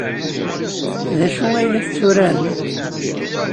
D acu ay la tetturarem?